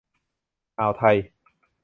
อ่าวไทย